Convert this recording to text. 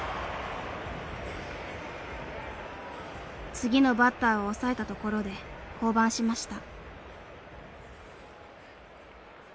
次のバッターを抑えたところで降板しました。